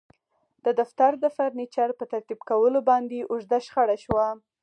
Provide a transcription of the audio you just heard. د دفتر د فرنیچر په ترتیب کولو باندې اوږده شخړه شوه